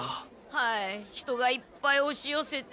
はい人がいっぱいおしよせて。